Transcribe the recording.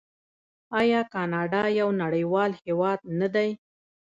آیا کاناډا یو نړیوال هیواد نه دی؟